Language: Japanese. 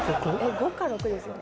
５か６ですよね？